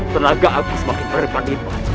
tenaga aku semakin berperibad